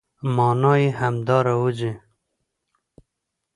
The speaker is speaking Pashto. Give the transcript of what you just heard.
مانا يې همدا راوځي،